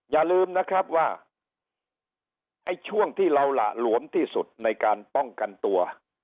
อย่าลืมนะครับว่าไอ้ช่วงที่เราหละหลวมที่สุดในการป้องกันตัว